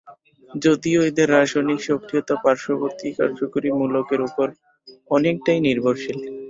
যদিও এদের রাসায়নিক সক্রিয়তা পার্শ্ববর্তী কার্যকরী মূলকের ওপর অনেকটাই নির্ভরশীল।